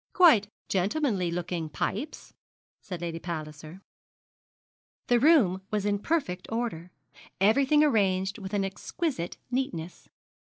'Quite gentlemanly looking pipes,' said Lady Palliser. The room was in perfect order, everything arranged with an exquisite neatness.